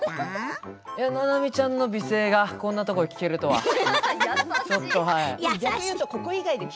ななみちゃんの美声がこんなところで聴けるとは。